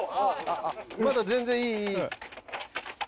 まだ全然いいいい。